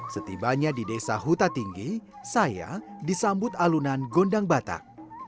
setibanya di desa huta tinggi saya disambut alunan gondang batak